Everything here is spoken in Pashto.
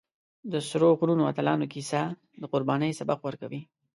د سرو غرونو اتلانو کیسه د قربانۍ سبق ورکوي.